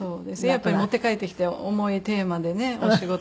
やっぱり持って帰ってきて重いテーマでねお仕事しててね。